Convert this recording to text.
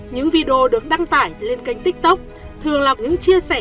những video được đăng tải lên kênh tiktok thường lọc những chia sẻ